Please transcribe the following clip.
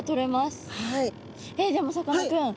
でもさかなクン。